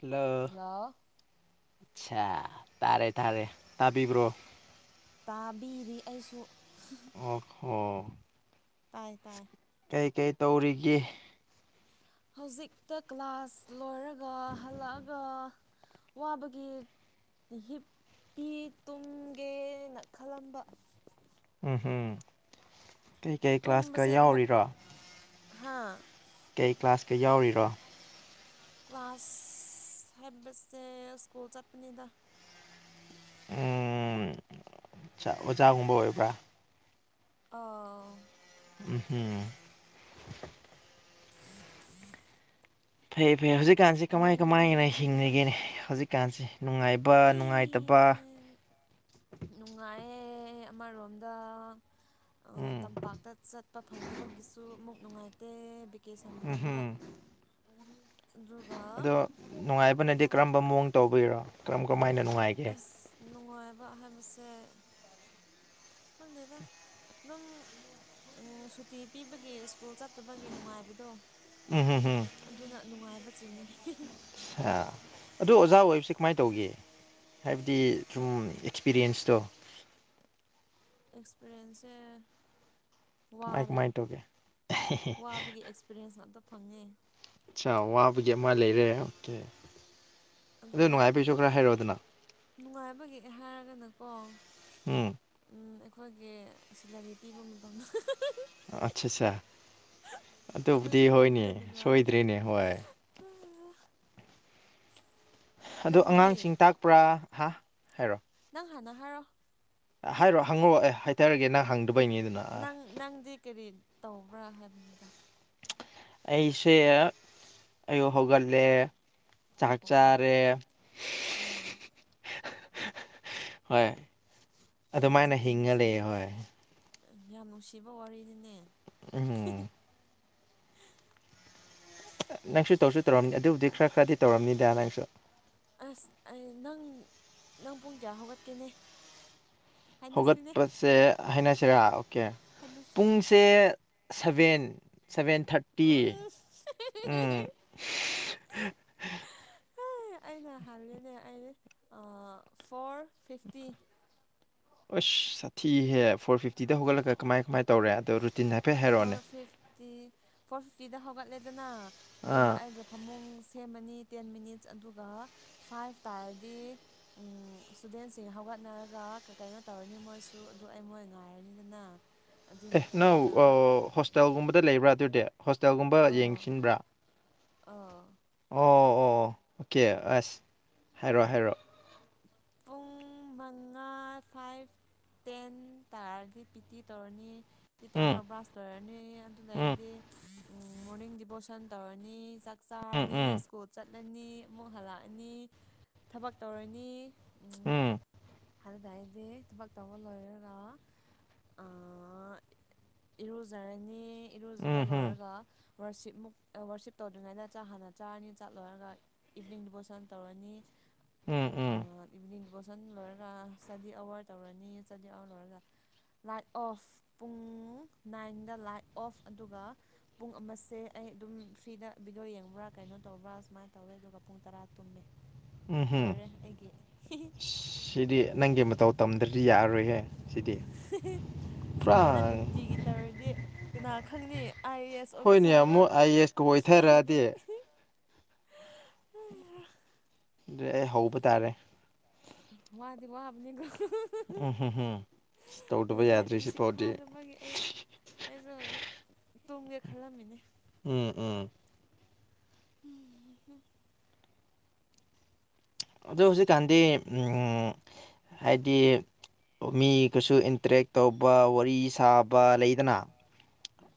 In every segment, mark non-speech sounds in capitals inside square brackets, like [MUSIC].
hello ꯑꯆꯥ ꯇꯥꯔꯦ ꯇꯥꯔꯦ ꯇꯥꯕꯤꯕ꯭ꯔꯣ ꯇꯥꯕꯤꯔꯤ ꯑꯩꯁꯨ ꯑꯣꯍꯣ ꯇꯥꯏ ꯇꯥꯏ ꯀꯩꯀꯩ ꯇꯧꯔꯤꯒꯦ ꯍꯧꯖꯤꯛꯇ ꯀ꯭ꯂꯥꯁ ꯂꯣꯏꯔꯒ ꯍꯜꯂꯛꯑꯒ ꯋꯥꯕꯒꯤ ꯍꯤꯞꯄꯤ ꯇꯨꯡꯒꯦꯅ ꯈꯜꯂꯝꯕ ꯎꯝ ꯎꯝ ꯇꯨꯝꯕꯁꯦ ꯑꯃꯨꯛ ꯍꯥꯥ ꯀꯩ ꯀ꯭ꯂꯥꯁꯀꯩ ꯌꯥꯎꯔꯤꯔꯣ ꯀ꯭ꯂꯥꯁ ꯍꯥꯏꯕꯁꯦ ꯁ꯭ꯀꯨꯜ ꯆꯠꯄꯅꯤꯗ ꯎꯝ ꯑꯣꯖꯥꯒꯨꯝꯕ ꯑꯣꯏꯕ꯭ꯔꯥ ꯑꯥ ꯎꯝꯍꯝ [UNINTELLIGIBLE] ꯐꯩ ꯐꯩ ꯍꯧꯖꯤꯛꯀꯥꯟꯁꯤ ꯀꯃꯥꯏ ꯅꯪ ꯀꯃꯥꯏꯅ ꯍꯤꯡꯅꯒꯦꯅꯦ ꯍꯧꯖꯤꯛꯀꯥꯟꯁꯤ ꯅꯨꯡꯉꯥꯏꯕ ꯄ ꯅꯨꯡꯉꯥꯏꯇꯕ ꯅꯨꯡꯉꯥꯏꯌꯦ ꯑꯃꯔꯣꯝꯗ ꯑ ꯎꯝ ꯇꯝ ꯄꯥꯛꯇ ꯆꯠꯄ ꯐꯪꯗꯕꯒꯤꯁꯨ ꯑꯃꯨꯛ ꯅꯨꯡꯉꯥꯏꯇꯦ ꯕꯤꯛ ꯀꯦꯁꯟ ꯎꯝ ꯃꯇꯝꯗ ꯍꯨꯝ ꯑꯗꯨꯒ ꯑꯗꯣ ꯅꯨꯡꯉꯥꯏꯕꯅꯗꯤ ꯀꯔꯝꯕ ꯃꯑꯣꯡ ꯇꯧꯕꯩꯔꯣ ꯀꯔꯝ ꯀꯃꯥꯏꯅ ꯅꯨꯡꯉꯥꯏ ꯑꯁ ꯅꯨꯡꯉꯥꯏꯕ ꯍꯥꯏꯕꯁꯦ ꯈꯪꯗꯦꯗ ꯗꯨꯝ ꯎꯝ ꯁꯨꯇꯤ ꯄꯤꯕꯒꯤ ꯏꯁ꯭ꯀꯨꯜ ꯆꯠꯇꯕꯒꯤ ꯅꯨꯡꯉꯥꯏꯕꯗꯣ ꯎꯝ ꯍꯝ ꯍꯝ ꯑꯗꯨꯅ ꯅꯨꯡꯉꯥꯏꯕ ꯆꯤꯡꯉꯦ [UNINTELLIGIBLE] ꯑ ꯑꯗꯨ ꯑꯣꯖꯥ ꯑꯣꯏꯕꯁꯤ ꯀꯃꯥꯏ ꯇꯧꯒꯦ ꯍꯥꯏꯕꯗꯤ ꯁꯨꯝ ꯄꯤꯔꯤꯌꯦꯟꯁꯇꫭ ꯑꯦꯛꯁꯄꯤꯔꯦꯟꯁꯁꯦ ꯀꯃꯥꯏ ꯋꯥꯔꯦ ꯀꯃꯥꯏꯅ ꯇꯧꯒꯦ ꯋꯥꯕꯒꯤ ꯑꯦꯛꯁ ꯄꯤꯔꯦꯟꯁ ꯉꯥꯛꯇ ꯐꯪꯉꯦ ꯑꯆꯥ ꯋꯥꯕꯒꯤ ꯑꯃ ꯂꯩꯔꯦ ꯑꯣꯀꯦ ꯑꯗꯨ ꯑꯗꯨꯒ ꯅꯨꯡꯉꯥꯏꯕꯩꯁꯨ ꯈꯔ ꯍꯥꯏꯔꯛꯑꯣꯗꯅ ꯅꯨꯡꯉꯥꯏꯕꯒꯤ ꯍꯥꯏꯔꯒꯅꯀꯣ ꯎꯝ ꯎꯝ ꯑꯩꯈꯣꯏꯒꯤ ꯁꯤꯂꯔꯤ ꯄꯤꯕ ꯃꯇꯝꯗꫭ [UNINTELLIGIBLE] ꯑꯠ ꯑꯠꯁꯥꯁꯥ ꯑꯗꯨꯒꯤ ꯑꯗꯨꯕꯨꯗꯤ ꯍꯣꯏꯅꯦ ꯃꯇꯝꯗꯨꯗ ꯅꯨꯡꯉꯥꯏ ꯁꯣꯏꯗ꯭ꯔꯦꯅꯦ ꯍꯣꯏ ꯑꯗꯣ ꯅꯪꯗꯤ ꯑꯉꯥꯡꯁꯤꯡ ꯇꯥꯛꯄ꯭ꯔ ꯍꯥ ꯍꯥꯏꯔꯣ ꯅꯪ ꯍꯥꯟꯅ ꯍꯥꯏꯔꯣ ꯍꯥꯏꯔꯛꯑꯣ ꯍꯪꯉꯛꯑꯣ ꯑꯦ ꯍꯥꯏꯊꯔꯒꯦ ꯅꯪ ꯍꯪꯗꯕꯩꯅꯨꯗꯅ ꯅꯪ ꯅꯪꯗꯤ ꯀꯔꯤ ꯇꯧꯕ꯭ꯔ ꯍꯥꯏꯕꯅꯤꯗ ꯑꯩꯁꯦ ꯑꯌꯨꯛ ꯍꯧꯒꯜꯂꯦ ꯆꯥꯛ ꯑꯣ ꯑꯣ ꯆꯥꯔꯦ ꯑꯥ [UNINTELLIGIBLE] ꯍꯣꯏ ꯃꯩ ꯑꯗꯨꯃꯥꯏꯅ ꯆꯠꯂꯤꯅꯦ ꯍꯤꯡꯉ ꯂꯩꯌꯦ ꯁꯤꯗꯤ ꯍꯣꯏ ꯌꯥꯝ ꯅꯨꯡꯁꯤꯕ ꯋꯥꯔꯤꯅꯤꯅꯦ [UNINTELLIGIBLE] ꯅꯪꯁꯨ ꯇꯧꯁꯨ ꯇꯧꯔꯝꯅꯤ ꯑꯗꯨꯕꯨꯗꯤ ꯈꯔ ꯈꯔꯗꯤ ꯇꯧꯔꯝꯅꯤꯗ ꯅꯪꯁꯨ ꯑꯁ ꯑꯩ ꯅꯪ ꯅꯪ ꯄꯨꯡ ꯀꯌꯥ ꯍꯧꯒꯠꯀꯦꯅꯦ ꯍꯥꯏꯅꯁꯤꯅꯦ ꯍꯧꯒꯠꯄꯁꯦ ꯍꯥꯏꯅꯁꯤꯔ ꯑꯣꯀꯦ ꯍꯥꯏꯅꯁꯦ ꯄꯨꯡ ꯁꯦ ꯁꯚꯦꯟ ꯁꯚꯦꯟ ꯊꯥꫪꯇꯤ ꯎꯝ ꯎꯝ [UNINTELLIGIBLE] [UNINTELLIGIBLE] ꯑꯩꯅ ꯍꯜꯂꯦꯅꯦ ꯑꯩ ꯐꯣꫪ ꯐꯤꯐꯇꯤ ꯑꯁ ꯁꯥꯊꯤꯍꯦ ꯐꯣꫪ ꯐꯤꯞꯇꯤꯗ ꯍꯧꯒꯠꯂꯒ ꯀꯃꯥꯏ ꯀꯃꯥꯏ ꯇꯧꯔꯦ ꯑꯗꯣ ꯔꯨꯇꯤꯟ ꯍꯥꯏ ꯐꯣꫪ ꯐꯤꯐꯇꯤ ꯐꯣꫪ ꯐꯤꯐꯇꯤꯗ ꯍꯧꯒꯠꯂꯦꯗꯅ ꯑꯗꯨꯒ ꯑꯥ ꯑꯩꯒ ꯐꯃꯨꯡ ꯁꯦꯝꯃꯅꯤ ꯇꯦꯟ ꯃꯤꯅꯤꯠꯁ ꯑꯗꯨꯒ ꯐꯥꯏꯚ ꯇꯥꯔꯗꯤ ꯎ ꯏꯁꯇꯨꯗꯦꯟꯁꯤꯡ ꯍꯧꯒꯠꯅꯔꯒ ꯀꯩꯅꯣ ꯇꯧꯔꯅꯤ ꯃꯣꯏꯁꯨ ꯑꯗꯨ ꯑꯩ ꯃꯣꯏ ꯉꯥꯏꯔꯅꯤꯗꯅ ꯑꯗꯨ ꯃꯇꯝ ꯑꯣ ꯍꯣꯁꯇꯦꯜꯒꯨꯝꯕꯗ ꯂꯩꯕ꯭ꯔꯥ ꯑꯗꯨꯗꯤ ꯍꯣꯁꯇꯦꯜꯒꯨꯝꯕ ꯌꯦꯡꯁꯤꯟꯕ꯭ꯔꯥ ꯑꯥ ꯑꯣ ꯑꯣ ꯑꯣꯀꯦ ꯑꯁ ꯍꯥꯏꯔꯛꯑꯣ ꯍꯥꯏꯔꯛꯑꯣ ꯄꯨꯡ ꯃꯡꯉꯥ ꯐꯥꯏꯚ ꯇꯦꯟ ꯇꯥꯔꯗꯤ ꯄꯤ ꯇꯤ ꯇꯧꯔꯅꯤ ꯇꯤ ꯎꯝ ꯇꯧꯔꯒ ꯕ꯭ꯔꯥꯁ ꯇꯣꯏꯔꯅꯤ ꯎꯝ ꯑꯗꯨꯗꯩꯗꯤ ꯎꯝ ꯃꯣꫪꯅꯤꯡꯒꯤ ꯕꯣꯁꯟ ꯇꯧꯔꯅꯤ ꯆꯥꯛ ꯎꯝ ꯆꯥꯔꯅꯤ ꯏꯁ꯭ꯀꯨꯜ ꯆꯠꯂꯅꯤ ꯑꯃꯨꯛ ꯍꯜꯂꯛꯑꯅꯤ ꯊꯕꯛ ꯇꯧꯔꯅꯤ ꯎꯝ ꯑꯗꯨꯗ ꯍꯥꯏꯗꯤ ꯊꯕꯛ ꯇꯧꯕ ꯂꯣꯏꯔꯒ ꯑꯥ ꯏꯔꯨꯖꯔꯅꯤ ꯎꯝ ꯏꯔꯨꯖꯕ ꯎꯝ ꯍꯨꯝ ꯂꯣꯏꯔꯒ ꯋꯥꯔꯁꯤꯞꯃꯨꯛ ꯋꯥꯔꯁꯤꯞ ꯇꯧꯗ꯭ꯔꯤꯉꯩꯗ ꯆ ꯍꯥꯟꯅ ꯆꯥꯔꯅꯤ ꯆꯠꯂꯣꯏꯔꯒ ꯏꯚꯅꯤꯡ ꯗꯤꯕꯣꯔꯁꯟ ꯇꯧꯔꯅꯤ ꯎꯝ ꯎꯝ ꯏꯚꯤꯅꯤꯡ ꯗꯤꯄꯣꯁꯟ ꯂꯣꯏꯔꯒ ꯏꯁꯇꯗꯤ ꯑꯋꯥꯔ ꯇꯧꯔꯅꯤ ꯏꯁꯇꯗꯤ ꯑꯋꯥꯔ ꯂꯣꯏꯔꯒ ꯂꯥꯏꯠ ꯑꯣꯐ ꯄꯨꯡ ꯅꯥꯏꯟꯗ ꯂꯥꯏꯠ ꯑꯣꯐ ꯑꯗꯨꯒ ꯄꯨꯡ ꯑꯃꯁꯦ ꯑꯩ ꯑꯗꯨꯝ ꯐ꯭ꯔꯤꯗ ꯕꯤꯗꯤꯑꯣ ꯌꯦꯡꯕ꯭ꯔꯥ ꯀꯩꯅꯣ ꯇꯧꯕ꯭ꯔꯥ ꯁꯨꯃꯥꯏꯅ ꯇꯧꯋꯦ ꯑꯗꯨꯒ ꯄꯨꯡ ꯇꯔꯥ ꯇꯨꯝꯃꯦ [UNINTELLIGIBLE] ꯂꯣꯢꯔꯦ ꯑꯩꯒꯤ ꯑꯁ ꯁꯤꯗꯤ ꯅꯪꯒꯤ ꯃꯇꯧ ꯇꯝꯗ꯭ꯔꯗꯤ ꯌꯥꯔꯔꯣꯏꯍꯦ ꯁꯤꯗꯤ ꯄꯨꯔꯥ ꯁꯨꯃꯥꯏꯅ ꯅꯨꯡꯇꯤꯒꯤ ꯇꯧꯔꯗꯤ ꯀꯅꯥ ꯈꯪꯅꯤ ꯑꯥꯏ ꯑꯦꯁ ꯍꯣꯏꯅꯦ ꯑꯣꯐꯤꯁꯥꯔꯒ ꯑꯃꯨꯛ ꯑꯥꯏ ꯑꯦꯁꯀ ꯁꯤ ꯂꯥꯡꯗꯦ ꯑꯣꯏꯊꯔꯛꯑꯗꯤ ꯑꯗꯨ ꯑꯩ ꯍꯧꯕ ꯇꯥꯔꯦ ꯋꯥꯗꯤ ꯋꯥꯕꯅꯤꯒ ꯎꯝ ꯎꯝ ꯎꯝ ꯇꯧꯗꯕ ꯌꯥꯗ꯭ꯔꯤ ꯇꯨꯝꯁꯤꯠ ꯁꯤꯐꯥꯎꯗꯤ ꯐꯥꯗꯕꯒꯤ ꯑꯩ ꯑꯩꯁꯨ ꯍꯧꯖꯤꯛ ꯇꯨꯝꯒꯦ ꯈꯜꯂꯝꯃꯤꯅꯦ ꯎꯝ ꯎꯝ ꯑꯗꯣ ꯍꯧꯖꯤꯛꯀꯥꯟꯗꯤ ꯎꯝ ꯍꯥꯏꯗꯤ ꯃꯤ ꯀꯁꯨ ꯏꯟꯇꯔꯦꯛ ꯇꯧꯕ ꯋꯥꯔꯤ ꯁꯥꯕ ꯂꯩꯗꯅ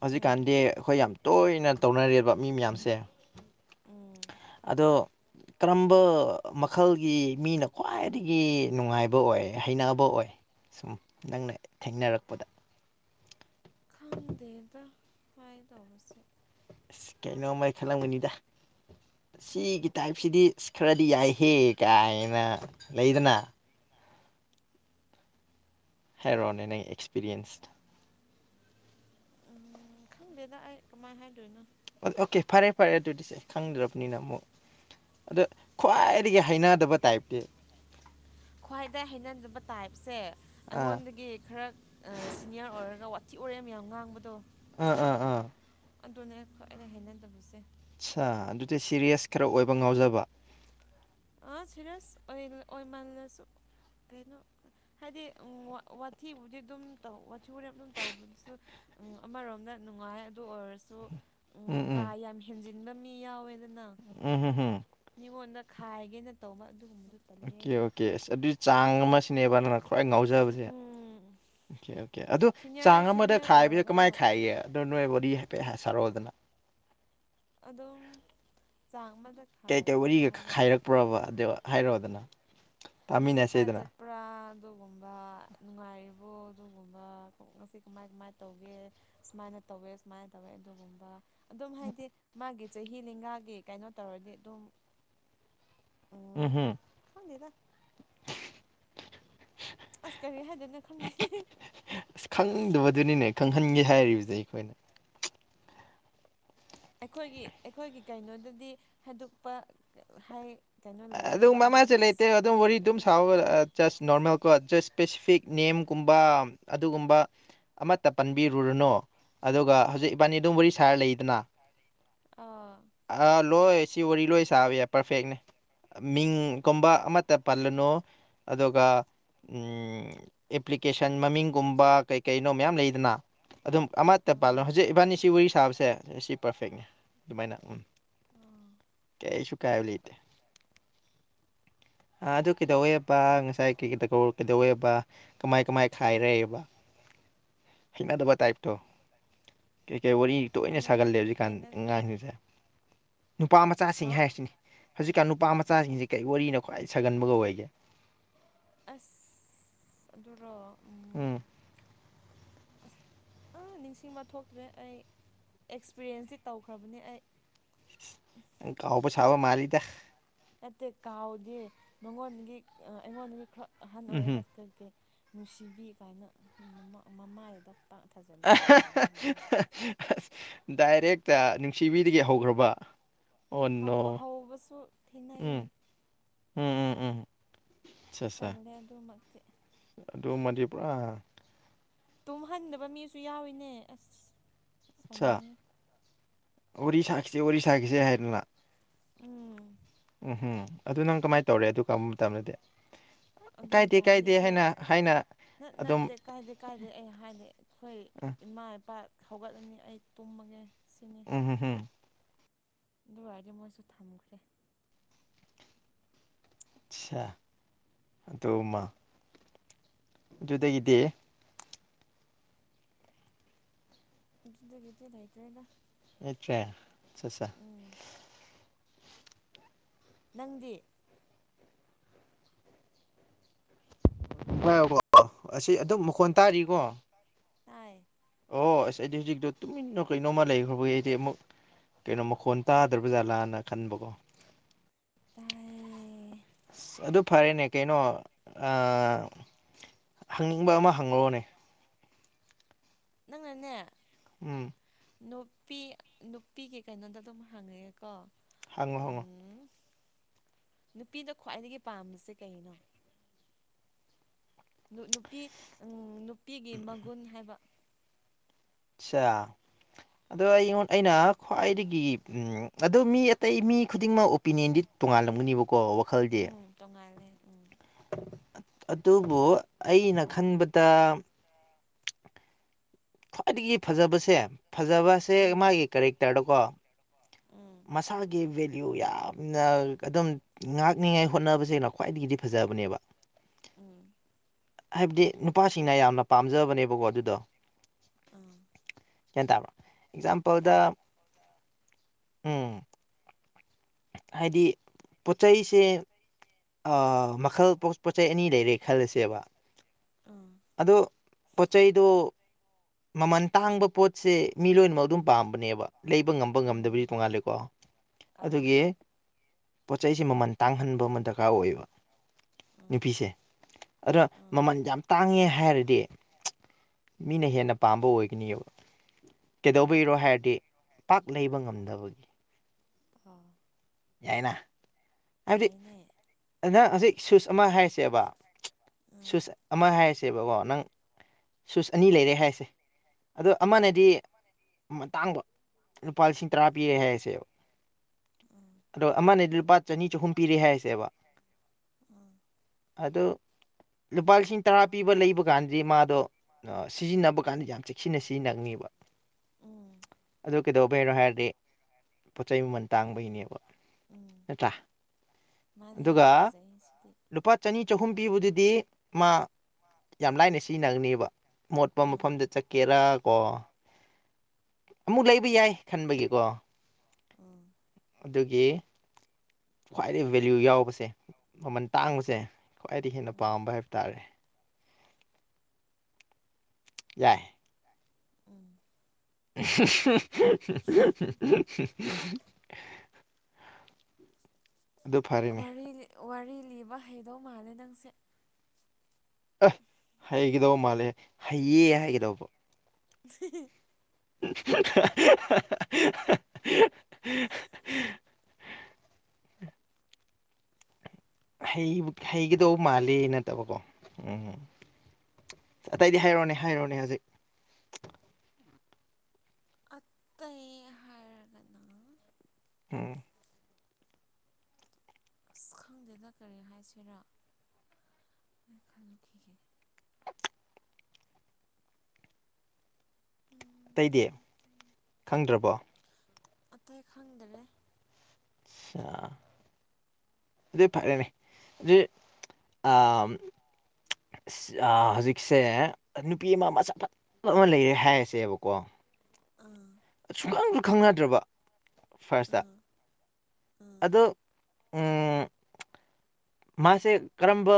ꯍꯧꯖꯤꯛꯀꯥꯟꯗꯤ ꯎꯝ ꯑꯩꯈꯣꯏ ꯌꯥꯝ ꯇꯣꯏꯅ ꯇꯧꯅꯔꯦꯕ ꯃꯤ ꯃꯌꯥꯝꯁꯦ ꯎꯝ ꯑꯗꯣ ꯀꯔꯝꯕ ꯃꯈꯜꯒꯤ ꯃꯤꯅ ꯈ꯭ꯋꯥꯏꯗꯒꯤ ꯅꯨꯡꯉꯥꯏꯕ ꯑꯣꯏ ꯍꯩꯅꯕ ꯑꯣꯏ ꯁꯨꯝ ꯅꯪꯅ ꯊꯦꯡꯅꯔꯛꯄꯗ ꯈꯪꯗꯦꯗ ꯍꯥꯏꯗꯧꯕꯁꯦ ꯀꯩꯅꯣꯝꯃ ꯈꯜꯂꯝꯒꯅꯤꯗ ꯁꯤꯒꯤ ꯇꯥꯏꯞꯁꯤꯗꯤ ꯑ ꯈꯔꯗꯤ ꯌꯥꯏꯍꯦ ꯀꯥꯏꯅ ꯂꯩꯗꯅ ꯑꯩꯗ ꯍꯥꯏꯔꯣꯛꯑꯣꯅꯦ ꯅꯪ ꯑꯦꯛꯁꯄꯦꯔꯤꯌꯦꯟꯁ ꯎꯝ ꯈꯪꯗꯦꯗ ꯑꯩ ꯀꯃꯥꯏꯅ ꯍꯥꯏꯗꯣꯏꯅꯣ ꯑꯣꯀꯦ ꯐꯔꯦ ꯐꯔꯦ ꯑꯗꯨꯗꯤ ꯁꯦ ꯈꯪꯗ꯭ꯔꯕꯅꯤꯅ ꯑꯃꯨꯛ ꯑꯗ ꯈ꯭ꯋꯥꯏꯗꯒꯤ ꯍꯩꯅꯗꯕ ꯇꯥꯏꯞꯇꯤ ꯈ꯭ꯋꯥꯏꯗ ꯍꯩꯅꯗꯕ ꯇꯥꯏꯞꯁꯦ ꯑꯥ ꯑꯩꯉꯣꯟꯗꯒꯤ ꯈꯔ ꯁꯤꯅꯤꯌꯔ ꯑꯣꯏꯔꯒ ꯋꯥꯊꯤ ꯋꯔꯦꯝ ꯃꯌꯥꯝ ꯉꯥꯡꯕꯗꯣ ꯑ ꯑ ꯑꯗꯨꯅꯦ ꯑꯩꯅ ꯍꯩꯅꯗꯕꯁꯦ ꯑꯠꯆꯥ ꯑꯗꯨꯗꯤ ꯁꯤꯔꯤꯌꯁ ꯈꯔ ꯑꯣꯏꯕ ꯉꯥꯎꯖꯕ ꯑꯥ ꯁꯤꯔꯁ ꯑꯣꯏ ꯑꯣꯏꯃꯜꯂꯁꯨ ꯀꯩꯅꯣ ꯍꯥꯏꯗꯤ ꯋꯥꯊꯤꯕꯨꯗꯤ ꯑꯗꯨꯝ ꯇ ꯋꯥꯊꯤ ꯑꯗꯨꯝ ꯇꯧꯕ ꯎ ꯑꯃꯔꯣꯝꯗ ꯅꯨꯡꯉꯥꯏ ꯑꯗꯨ ꯑꯣꯏꯔꯁꯨ ꯎꯝ ꯀꯥ ꯌꯥꯝ ꯍꯦꯟꯖꯤꯟꯕ ꯃꯤ ꯌꯥꯎꯋꯦꯗꯅ ꯎꯝ ꯍꯝ ꯍꯝ ꯃꯤꯉꯣꯟꯗ ꯈꯥꯏꯒꯦꯅ ꯇꯧꯕ ꯑꯗꯨꯒꯨꯝꯕꯗꯨ ꯇꯜꯂꯦ ꯑꯣꯀꯦ ꯑꯩꯗꯤ ꯑꯣꯀꯦ ꯑꯁ ꯑꯗꯨꯒꯤ ꯆꯥꯡ ꯑꯃ ꯁꯤꯅꯦꯕ ꯅꯪꯅ ꯈ꯭ꯋꯥꯏ ꯉ ꯐꯥꯎꯖꯕꯁꯦ ꯎꯝ ꯑꯣꯀꯦ ꯑꯣꯀꯦ ꯑꯗꯨ ꯁꯤꯅꯤꯌꯔ ꯆꯥꯡ ꯑꯃꯗ ꯁꯤꯅꯤꯌꯔ ꯈꯥꯏꯕꯁꯦ ꯀꯃꯥꯏ ꯑꯣꯏꯔꯒꯅ ꯈꯥꯏꯒꯕ ꯑꯗꯨꯗ ꯅꯣꯏ ꯋꯥꯔꯤ ꯍꯥꯏꯐꯦꯠ ꯁꯔꯣꯗꯅ ꯑꯗꯨꯝ ꯆꯥꯡ ꯑꯃꯗ ꯀꯩ ꯀꯩ ꯈꯥꯏꯕ ꯋꯥꯔꯤꯒ ꯍꯥꯏꯔꯒꯅ ꯈꯥꯏꯔꯛꯄ꯭ꯔꯥꯕ ꯑꯗꯨꯗ ꯍꯥꯏꯔꯛꯑꯣꯗꯅ ꯉꯁꯤ ꯀꯥꯏ ꯇꯥꯃꯤꯟꯅꯁꯦꯗꯅ ꯆꯠ ꯄꯨꯔꯥ ꯑꯗꯨꯒꯨꯝꯕ ꯅꯨꯡꯉꯥꯏꯔꯤꯕꯣ ꯑꯗꯨꯒꯨꯝꯕ ꯉꯁꯤ ꯀꯃꯥꯏ ꯀꯃꯥꯏ ꯇꯧꯒꯦ ꯁꯨꯃꯥꯏꯅ ꯇꯧꯋꯦ ꯁꯨꯃꯥꯏꯅ ꯇꯧꯋꯦ ꯑꯗꯨꯒꯨꯝꯕ ꯑꯗꯨꯝ ꯍꯥꯏꯗꯤ ꯃꯥꯒꯤ ꯆꯍꯤ ꯂꯤꯡꯒꯥꯒꯤ ꯀꯩꯅꯣ ꯇꯧꯔꯗꯤ ꯑꯗꯨꯝ ꯎꯝ ꯍꯝ ꯈꯪꯦꯗ ꯑꯁ ꯀꯔꯤ ꯍꯥꯏꯗꯣꯏꯅꯣ ꯈꯪꯗꯩꯦ ꯑꯁ ꯈꯪꯗꯕꯗꯨꯅꯤꯅꯦ ꯈꯪꯍꯟꯒꯦ ꯍꯥꯏꯔꯤꯕꯁꯦ ꯑꯩꯈꯣꯏꯅ ꯑꯩꯈꯣꯏꯒꯤ ꯑꯩꯈꯣꯏꯒꯤ ꯀꯩꯅꯣꯗꯗꯤ ꯍꯗꯛꯄ ꯍꯥꯏ ꯀꯩꯅꯣ ꯑꯗꯨꯝ ꯂꯩꯌꯦꯕ ꯑꯗꯨꯕꯨ ꯃꯃꯥꯁꯦ ꯂꯩꯇꯦ ꯑꯁꯤꯒꯤ ꯑꯗꯨꯝ ꯋꯥꯔꯤ ꯑꯗꯨꯝ ꯀꯩꯅꯣꯗꯤ ꯁꯥꯎꯕ ꯎꯝ ꯖꯁ ꯅꯣꯔꯃꯦꯜ ꯀꯣ ꯖꯁ ꯏꯁꯄꯦꯁꯤꯐꯤꯛ ꯅꯦꯝꯒꯨꯝꯕ ꯑꯗꯨꯒꯨꯝꯕ ꯑꯃꯠꯇ ꯄꯟꯕꯤꯔꯨꯔꯨꯅꯨ ꯑꯗꯨꯒ ꯍꯧꯖꯤꯛ ꯄꯅꯤ ꯑꯗꯨꯕꯨꯔꯤ ꯁꯔ ꯂꯩ ꯏꯗꯅ ꯑꯥ ꯂꯣꯏ ꯁꯤ ꯋꯥꯔꯤ ꯂꯣꯏ ꯁꯥꯕ ꯌꯥꯏ ꯄꯔꯐꯦꯛꯅꯦ ꯃꯤꯡꯒꯨꯝꯕ ꯑꯃ ꯇ ꯄꯜꯂꯅꯨ ꯑꯗꯨꯒ ꯑꯦꯄ꯭ꯂꯤꯀꯦꯁꯟ ꯃꯃꯤꯡꯒꯨꯝꯕ ꯀꯩꯅꯣ ꯃꯌꯥꯝ ꯂꯩꯗꯅ ꯑꯗꯨꯝ ꯑꯃꯠꯇ ꯄꯥꯜꯂꯣ ꯎꯝ ꯍꯧꯖꯤꯛ ꯏꯕꯥꯅꯤꯁꯤ ꯋꯥꯔꯤ ꯁꯥꯕꯁꯦ ꯁꯤ ꯄꯔꯐꯦꯛꯅꯦ ꯑꯗꯨꯃꯥꯏꯅ ꯎꯝ ꯀꯩꯁꯨ ꯀꯥꯏꯕ ꯂꯩꯇꯦ ꯑ ꯑꯗꯨ ꯀꯩꯗꯧꯋꯦꯕ ꯉꯁꯥꯏ ꯀꯩ ꯀꯩꯗ ꯀꯩꯗꯧꯋꯦꯕ ꯀꯃꯥꯏ ꯀꯃꯥꯏ ꯈꯥꯏꯔꯦꯕ ꯍꯤꯉ ꯗꯕ ꯇꯥꯏꯞꯇꯣ ꯀꯩꯀꯩ ꯔꯤ ꯇꯣꯏꯅ ꯍꯩꯅ ꯁꯥꯒꯜꯂꯦ ꯍꯧꯖꯤꯛꯀꯥꯟ ꯍꯩꯅ ꯑꯉꯥꯡꯁꯤꯡꯁꯦ ꯅꯨꯄꯥ ꯃꯆꯥꯁꯤꯡ ꯍꯥ ꯍꯥꯏꯔꯁꯤꯅꯤ ꯍꯧꯖꯤꯛꯀꯥꯟ ꯅꯨꯄꯥ ꯃꯆꯥꯁꯤꯡꯁꯤꯦ ꯀꯩ ꯋꯥꯔꯤꯅ ꯈ꯭ꯋꯥꯏ ꯁꯥꯒꯟꯕꯒ ꯑꯣꯏꯒꯦ ꯑꯁ ꯑꯗꯨꯔꯣ ꯎꯝ ꯑꯁ ꯑꯥ ꯅꯤꯡꯁꯤꯡꯕ ꯊꯣꯛꯇ꯭ꯔꯦ ꯑꯩ ꯑꯦꯛꯁꯄꯤꯔꯤꯌꯦꯟꯁꯇꯤ ꯇꯧꯈ꯭ꯔꯕꯅꯦ ꯑꯩ ꯀꯕꯨ ꯁꯥꯎ ꯃꯥꯜꯂꯤꯗ ꯅꯠꯇꯦ ꯀꯥꯎꯗꯦ ꯃꯉꯣꯟꯗꯒꯤ ꯑꯩꯉꯣꯟꯗꯒꯤ ꯈꯔ ꯑꯍꯟ ꯎꯝꯍꯨꯝ ꯑꯣꯏꯔꯒꯠꯀꯀꯦ ꯅꯨꯡꯁꯤꯕꯤ ꯀꯥꯏꯅ ꯃꯃꯥꯏꯗꯗꯥꯛ ꯊꯥꯖꯜꯂ ꯑꯗꯨ ꯐꯖꯒꯗꯕꯅꯤ ꯑꯁ ꯗꯥꯏꯔꯦꯛꯇ ꯅꯨꯡꯁꯤꯕꯤꯗꯒꯤ ꯍꯧꯈ꯭ꯔꯕ ꯑꯣ ꯅꯣ ꯍꯧꯕꯁꯨ ꯊꯦꯡꯅꯩ ꯎꯝ ꯎꯝ ꯎꯝ ꯎꯝ ꯇꯜꯂꯦ ꯑꯗꯨꯃꯛꯇꯤ ꯑꯗꯨ ꯃꯗꯤ ꯄꯨꯥ ꯇꯨꯝꯍꯟꯗꯕ ꯃꯤꯁꯨ ꯌꯥꯎꯏꯤꯅꯦ ꯑꯁ ꯑꯠ ꯁꯥꯎꯅꯤꯡꯉꯤ ꯋꯥꯔꯤ ꯁꯥꯈꯤꯁꯦ ꯋꯥꯔꯤ ꯁꯥꯈꯤꯁꯦ ꯍꯥꯏꯗꯅ ꯎꯝ ꯎꯝꯍꯝ ꯑꯗꯨ ꯅꯪ ꯀꯃꯥꯏꯅ ꯇꯧꯔꯦ ꯑꯗꯨ ꯀꯔꯝꯕ ꯃꯇꯝꯗꯗꯤ ꯑꯗꯨ ꯀꯥꯏꯗꯦ ꯃꯇꯝꯗꯤ ꯀꯥꯏꯗꯦ ꯑꯩꯈꯣꯏ ꯍꯥꯏꯅ ꯍꯥꯏꯅ ꯑꯗꯨꯝ ꯀꯥꯏꯗꯗꯒꯤ ꯑꯩ ꯍꯥꯏꯗꯤ ꯑꯩꯈꯣꯏ ꯎꯝ ꯏꯃꯥ ꯏꯄꯥ ꯍꯧꯒꯠꯂꯅꯤ ꯑꯩ ꯇꯨꯝꯃꯒꯦ ꯁꯤꯅꯤ ꯎꯝꯝ ꯍꯝ ꯑꯗꯨ ꯍꯥꯏꯔꯗꯤ ꯃꯣꯏꯁꯨ ꯊꯝꯈ꯭ꯔꯦ ꯑ ꯑꯗꯣ ꯑꯃ ꯣꯗꯒꯗꯦ ꯤꯗꯒꯈꯤꯗꯦ ꯊꯥꯏꯇ꯭ꯔꯦꯗ ꯑꯆꯥꯦ ꯎꯝ ꯅꯪꯗꯤ ꯍꯣ ꯑꯁꯤ ꯑꯗꯨꯝ ꯃꯈꯣꯟ ꯇꯥꯔꯤꯀꯣ ꯇꯌꯦ ꯑꯣ ꯑꯁ ꯑꯩꯗꯤ ꯍꯧꯖꯤꯛꯇꯣ ꯇꯨꯃꯤꯟꯅ ꯀꯩꯅꯣꯃ ꯂꯩꯈ꯭ꯔꯕꯒꯤ ꯑꯩꯗꯤ ꯑꯃꯨꯛ ꯀꯩꯅꯣ ꯃꯈꯣꯟ ꯇꯥꯗ꯭ꯔꯕꯖꯥꯠꯂꯥꯅ ꯈꯟꯕꯀꯣ ꯇꯥꯏꯌꯦꯦ ꯑꯗꯨ ꯐꯔꯦꯅꯦ ꯀꯩꯅꯣ ꯍꯪꯅꯤꯡꯕ ꯑꯃ ꯍꯪꯉꯛꯑꯣꯅꯦ ꯅꯪꯅꯅꯦ ꯎꯝ ꯅꯨꯄꯤ ꯅꯨꯄꯤꯒꯤ ꯀꯩꯅꯣꯗ ꯑꯗꯨꯝ ꯍꯪꯉꯛꯑꯦꯀꯣ ꯍꯪꯉꯣ ꯍꯪꯉꯣ ꯎꯝ ꯅꯨꯄꯤꯗ ꯈ꯭ꯋꯥꯏꯗꯒꯤ ꯄꯥꯝꯕꯁꯦ ꯀꯩꯅꯣ ꯅꯨꯄꯤ ꯅꯨꯄꯤꯒꯤ ꯃꯒꯨꯟ ꯍꯥꯏꯕ ꯑꯆꯥ ꯑꯗꯣ ꯑꯩꯉꯣꯟ ꯑꯩꯅ ꯈ꯭ꯋꯥꯏꯗꯒꯤ ꯑꯗꯨ ꯃꯤ ꯑꯇꯩ ꯃꯤ ꯈꯨꯗꯤꯡꯃꯛ ꯑꯣꯄꯤꯅꯤꯌꯟꯗꯤ ꯇꯣꯉꯥꯜꯂꯝꯒꯅꯤꯕꯀꯣ ꯋꯥꯈꯜꯗꯤ ꯇꯣꯡꯉꯥꯏꯂꯦ ꯎꯝ ꯑꯗꯨꯕꯨ ꯑꯩꯅ ꯈꯟꯕꯗ ꯈ꯭ꯋꯥꯏꯗꯒꯤ ꯐꯖꯕꯁꯦ ꯐꯖꯕꯁꯦ ꯎꯝ ꯃꯥꯒꯤ ꯀꯦꯔꯦꯛꯇꯔꯗꯀꯣ ꯎꯝ ꯃꯁꯥꯒꯤ ꯕꯦꯂꯌꯨ ꯌꯥ ꯑꯗꯨꯝ ꯉꯥꯛꯅꯤꯉꯥꯏ ꯍꯣꯠꯅꯕꯁꯦꯡꯅ ꯈ꯭ꯋꯥꯏꯗꯒꯤꯗꯤ ꯐꯖꯕꯅꯦꯕ ꯎꯝ ꯍꯥꯏꯕꯗꯤ ꯅꯨꯄꯥꯁꯤꯡꯅ ꯌꯥꯝꯅ ꯄꯥꯝꯖꯕꯅꯦꯕꯀꯣ ꯑꯗꯨꯗꯣ ꯑꯥ ꯆ ꯇꯥꯕ꯭ꯔꯥ ꯑꯦꯛꯖꯥꯝꯄꯜꯗ ꯇꯥꯏ ꯎꯝ ꯍꯥꯏꯗꯤ ꯄꯣꯠꯆꯩꯁꯦ ꯃꯈꯜ ꯄꯣꯠꯆ ꯆꯩ ꯑꯅꯤ ꯂꯩꯔꯦ ꯈꯜꯂꯁꯦꯕ ꯑꯥ ꯑꯗ ꯄꯣꯠ ꯆꯩꯗꯨ ꯃꯃꯜ ꯇꯥꯡꯕ ꯄꯣꯠꯁꯦ ꯃꯤ ꯂꯣꯏꯅꯃꯛ ꯑꯗꯨꯝ ꯄꯥꯝꯕꯅꯦꯕ ꯂꯩꯕ ꯉꯝꯕ ꯉꯝꯗꯕꯁꯨ ꯇꯣꯡꯉꯥꯜꯂꯦꯀꯣ ꯑꯥ ꯑꯗꯨꯒꯤ ꯄꯣꯠ ꯆꯩꯩꯁ ꯃꯃꯜ ꯇꯥꯡꯍꯟꯕ ꯑꯃ ꯗꯔꯀꯥꯔ ꯑꯣꯏꯌꯦꯕ ꯎꯝ ꯅꯨꯄꯤꯁꯦ ꯑꯗꯨꯣ ꯎꯝ ꯃꯃꯜ ꯌꯥꯝ ꯇꯥꯡꯉꯦ ꯍꯥꯏꯔꯗꯤ ꯃꯤꯅ ꯎꯝ ꯍꯦꯟꯅ ꯑꯄꯥꯝꯕ ꯑꯣꯏꯒꯅꯤꯑꯕ ꯎꯝ ꯀꯩꯗꯧꯕꯩꯔꯣ ꯍꯥꯏꯔꯗꯤ ꯄꯥꯛ ꯂꯩꯕ ꯉꯝꯗꯕꯒꯤ ꯑꯥ ꯌꯥꯏꯅ ꯍꯥꯏꯕꯗꯤ ꯐꯖꯩꯅꯦ ꯅꯪ ꯍꯧꯖꯤꯛ ꯁꯨꯁ ꯑꯃ ꯍꯥꯏꯔꯤꯁꯦꯕ ꯎꯝ ꯁꯨꯁ ꯑꯃ ꯍꯥꯏꯔꯁꯦꯕꯀꯣ ꯅꯪ ꯁꯨꯁ ꯑꯅꯤ ꯂꯩꯔꯦ ꯍꯥꯏꯔꯁꯦ ꯑꯗꯣ ꯑꯃꯅꯗꯤ ꯃꯇꯥꯡꯕ ꯂꯨꯄꯥ ꯂꯤꯁꯤꯡ ꯇꯔꯥ ꯄꯤꯔꯦ ꯍꯥꯏꯔꯁꯦꯕ ꯑꯥ ꯑꯗꯣ ꯑꯃꯅꯗꯤ ꯂꯨꯄꯥ ꯆꯅꯤ ꯆꯍꯨꯝ ꯄꯤꯔꯦ ꯍꯥꯏꯁꯦꯕ ꯎꯝ ꯎꯝ ꯑꯗꯨ ꯂꯨꯄꯥ ꯂꯤꯁꯤꯡ ꯇꯔꯥ ꯄꯤꯕ ꯂꯩꯕ ꯀꯥꯟꯗꯤ ꯃꯥꯗꯣ ꯁꯤꯖꯤꯟꯅꯕ ꯀꯥꯟꯗ ꯌꯥꯝ ꯆꯦꯛꯁꯤꯟꯅ ꯁꯤꯖꯤꯟꯅꯉꯕ ꯎꯝ ꯑ ꯀꯩꯗꯧꯕ ꯍꯥꯏꯔꯣ ꯍꯥꯏꯔꯗꯤ ꯄꯣꯠ ꯆꯩ ꯃꯃꯜ ꯇꯥꯡꯕꯒꯤꯅꯦꯕ ꯎꯝ ꯅꯠꯇ꯭ꯔꯥ ꯃꯥꯅꯦ ꯑꯗꯨꯒ ꯐꯖꯩ ꯁꯤꯗꯤ ꯂꯨꯄꯥ ꯆꯅꯤ ꯆꯍꯨꯝ ꯄꯤꯕꯗꯨꯗꯤ ꯃꯥ ꯌꯥꯝ ꯂꯥꯏꯅ ꯁꯤꯖꯤꯟꯅꯒꯅꯦꯕ ꯃꯣꯠꯄ ꯎꯝ ꯃꯐꯝꯗ ꯆꯠ ꯀꯦꯔꯥ ꯀꯣ ꯑꯃꯨꯛ ꯂꯩꯕ ꯌꯥꯏ ꯈꯟꯕꯒꯤꯀꯣ ꯑꯥ ꯑꯗꯨꯒꯤ ꯈ꯭ꯋꯥꯏꯗꯒꯤꯩ ꯚꯦꯂꯌꯨ ꯌꯥꯎꯕꯁꯦ ꯃꯃꯜ ꯇꯥꯡꯕꯁꯦ ꯈ꯭ꯋꯥꯏꯗꯒꯤ ꯍꯦꯟꯅ ꯎꯝ ꯄꯥꯝꯕ ꯍꯥꯏꯕ ꯇꯥꯔꯦ ꯌꯥꯏꯦ ꯎꯝ [INAUDIBLE] ꯑꯗꯨ ꯐꯔꯦꯅꯦ ꯋꯥꯔꯤ ꯂꯤꯕ ꯍꯩꯗꯧ ꯃꯥꯜꯂꯦ ꯅꯪꯁꯦ ꯑ ꯍꯩꯒꯗꯧꯕ ꯃꯥꯜꯂꯦ ꯍꯩꯌꯦ ꯍꯥꯏꯒꯗꯧꯕ ꯐ [INAUDIBLE] [INAUDIBLE] ꯍꯩ ꯍꯩꯒꯗꯧꯕ ꯃꯥꯜꯂꯤ ꯅꯠꯇꯕꯀꯣ ꯎꯝꯝ ꯑꯇꯩꯗꯤ ꯍꯥꯏꯔꯣꯅꯦ ꯍꯥꯏꯔꯣꯅꯦ ꯍꯧꯖꯤꯛ ꯑꯠꯇ ꯍꯥꯏꯔꯒꯅ ꯎꯝ ꯑꯁ ꯈꯪꯗꯦꯗ ꯀꯔꯤ ꯍꯥꯏꯁꯤꯔꯥ ꯑꯩ ꯈꯜꯂꯨꯈꯤꯒꯦ ꯎꯝ ꯑꯇꯩꯗꯤ ꯎꯝ ꯈꯪꯗ꯭ꯔꯕꯣ ꯑꯇꯩ ꯈꯪꯗꯔꯦ ꯑꯆꯥ ꯑꯗꯨꯗꯤ ꯐꯔꯦꯅꯦ ꯑꯗꯨ ꯑ ꯍꯧꯖꯤꯛꯁꯦ ꯅꯨꯄꯤ ꯑꯃ ꯃꯆꯥ ꯐꯠ ꯑꯃ ꯂꯩꯔꯦ ꯍꯥꯏꯔꯁꯦꯕꯀꯣ ꯑꯥ ꯁꯨꯡꯈꯪꯁꯨ ꯈꯪꯅꯗ꯭ꯔꯕ ꯐꯥꯔꯁꯇ ꯑꯥ ꯑꯥ ꯑꯗꯣ ꯎ ꯃꯥꯁꯦ ꯀꯔꯝꯕ